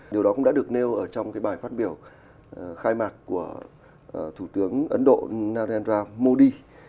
điều đó cũng đã được nêu ở trong bài phát biểu khai mạc của thủ tướng ấn độ narendra modi